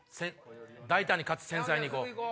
大胆かつ繊細に行こう。